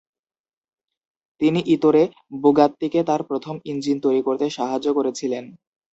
তিনি ইতোরে বুগাত্তিকে তার প্রথম ইঞ্জিন তৈরি করতে সাহায্য করেছিলেন।